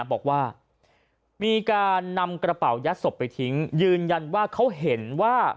บอกว่ามีการนำกระเป๋ายัดศพไปทิ้งยืนยันว่าเขาเห็นว่า